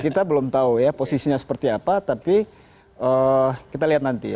kita belum tahu ya posisinya seperti apa tapi kita lihat nanti ya